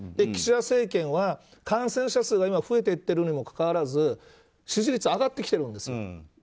岸田政権は感染者数が今、増えていってるにもかかわらず支持率、上がってきてるわけです。